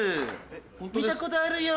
見たことあるよ！